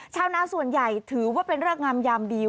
ชาวนาส่วนใหญ่ถือว่าเป็นเริกงามยามดี